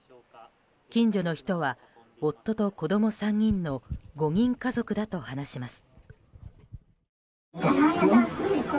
近所の人は、夫と子供３人の５人家族だと話します。